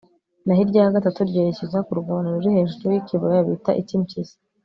naho irya gatatu ryerekeza ku rugabano ruri hejuru y'ikibaya bita icy'impyisi